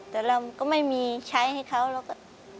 แต่เราก็ไม่มีใช้ให้เขาเราก็